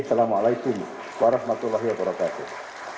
assalamu'alaikum warahmatullahi wabarakatuh